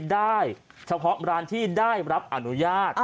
ได้เฉพาะร้านที่ได้รับอนุญาต